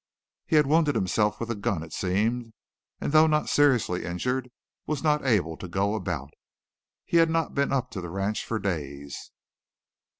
He had wounded himself with a gun, it seemed, and though not seriously injured, was not able to go about. He had not been up to the ranch for days.